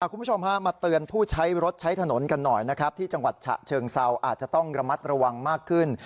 คุณผู้ชมฮะมาเตือนผู้ใช้รถใช้ถนนกันหน่อยนะครับที่จังหวัดฉะเชิงเซาอาจจะต้องระมัดระวังมากขึ้น